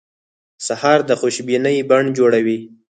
سهار د خوشبینۍ بڼ جوړوي.